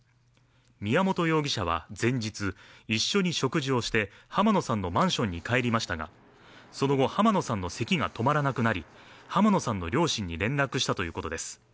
宮本容疑者は前日一緒に食事をして濱野さんのマンションに帰りましたがその後、濱野さんの咳が止まらなくなり濱野さんの両親に連絡したということです。